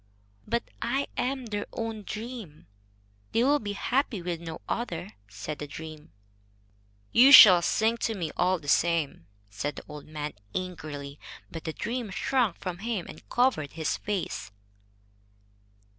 "But I am their own dream. They will be happy with no other," said the dream. "You shall sing to me, all the same," said the old man, angrily. But the dream shrank from him and covered its face.